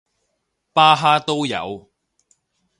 巴哈都有